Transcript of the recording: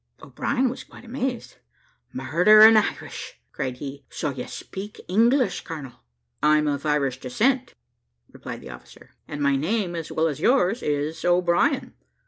O'Brien was quite amazed; "Murder an' Irish," cried he; "so you speak English, colonel." "I'm of Irish descent," replied the officer, "and my name, as well as yours, is O'Brien.